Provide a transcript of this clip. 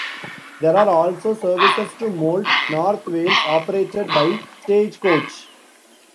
There are also services to Mold, North Wales operated by Stagecoach.